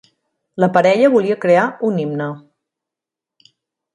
La parella volia crear un himne.